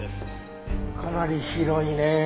かなり広いね。